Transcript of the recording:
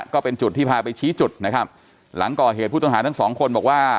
ก็เป็นจุดที่พาไปชี้จุดนะครับหลังก่อเหตุผู้ต้องหาทั้งสองคนบอกว่า